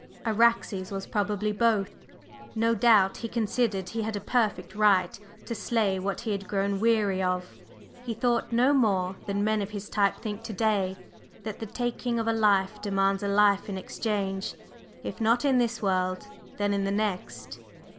Araxes was probably both. No doubt he considered he had a perfect right to slay what he had grown weary of; he thought no more than men of his type think to day, that the taking of a life demands a life in exchange, if not in this world, then in the next."